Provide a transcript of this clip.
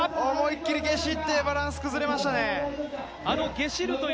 思い切りゲシって、バランス崩れましたね。